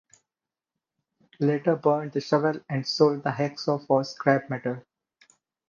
He later burned the shovel and sold the hacksaw for scrap metal.